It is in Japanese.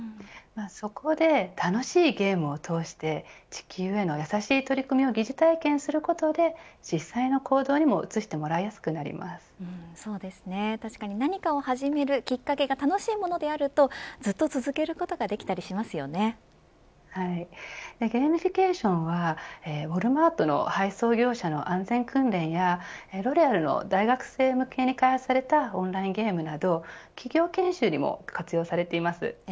そこで楽しいゲームを通して地球への優しい取り組みを疑似体験することで実際の行動にも確かに何かを始めるきっかけが楽しいものであるとずっと続けることがゲーミフィケーションはウォルマートの配送業者の安全訓練やロレアルの大学生向けに開発されたオンラインゲームなど企業研修にも活用されています。